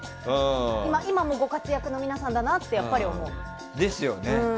今もご活躍の皆さんだなってやっぱり思う。ですよね。